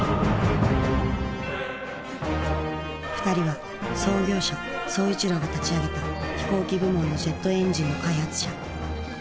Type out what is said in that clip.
２人は創業者宗一郎が立ち上げた飛行機部門のジェットエンジンの開発者。